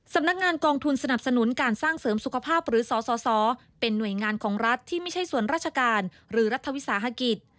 สำนักงานกองทุนสนับสนุนการสร้างเสริมสุขภาพหรือสสเป็นหน่วยงานของรัฐที่ไม่ใช่ส่วนราชการหรือรัฐวิสาหกิจ